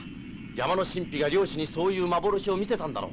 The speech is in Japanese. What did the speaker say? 山の神秘が猟師にそういう幻を見せたんだろう。